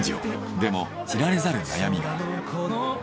でも知られざる悩みが。